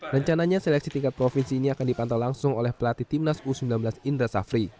rencananya seleksi tingkat provinsi ini akan dipantau langsung oleh pelatih timnas u sembilan belas indra safri